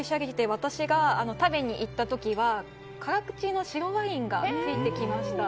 私が食べに行った時は辛口の白ワインがついてきました。